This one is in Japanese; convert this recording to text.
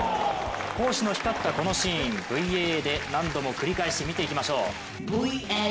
好守の光ったこのシーン、ＶＡＡで何度も繰り返し見てみましょう。